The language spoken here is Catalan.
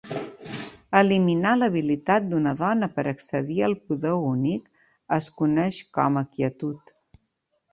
Eliminar l'habilitat d'una dona per accedir al Poder Únic es coneix com a "quietud".